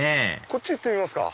こっち行ってみますか。